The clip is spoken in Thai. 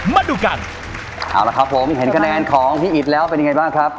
มาดูกันเอาละครับผมเห็นคะแนนของพี่อิตแล้วเป็นยังไงบ้างครับ